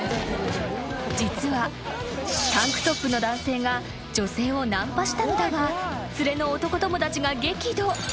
［実はタンクトップの男性が女性をナンパしたのだが連れの男友達が激怒］